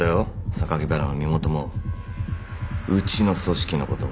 榊原の身元もうちの組織のことも。